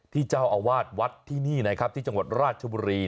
เจ้าอาวาสวัดที่นี่นะครับที่จังหวัดราชบุรี